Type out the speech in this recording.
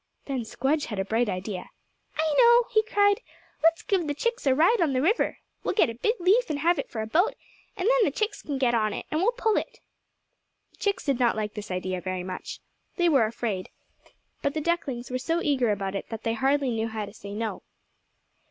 Then Squdge had a bright idea. "I know!" he cried; "let's give the chicks a ride on the river. We'll get a big leaf and have it for a boat, and then the chicks can get on it, and we'll pull it." The chicks did not like the idea very much. They were afraid. But the ducklings were so eager about it that they hardly knew how to say no.